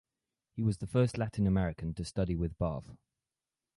He was the first Latin American to study with Barth.